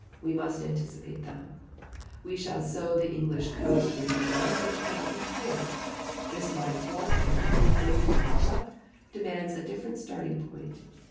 We must anticipate them .... We shall sow the English coast with mines which cannot be cleared. This mine warfare with the Luftwaffe demands a different starting point.